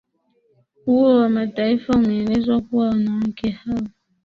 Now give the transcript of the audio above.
a huo wa mataifa umeeleza kuwa wanawake hao